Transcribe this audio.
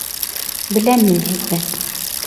Беләм мин һеҙҙе!